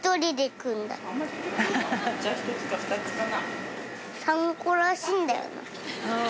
じゃあ１つか２つかな。